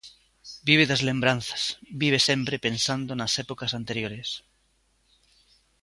Vive das lembranzas, vive sempre pensando nas épocas anteriores.